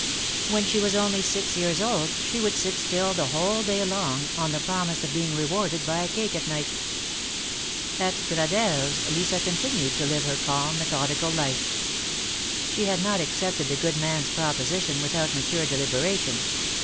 When she was only six years old, she would sit still the whole day long, on the promise of being rewarded by a cake at night. At Gradelle's, Lisa continued to live her calm, methodi cal life. She had not accepted the good man's proposition without mature deliberation.